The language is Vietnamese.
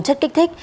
chất kích thích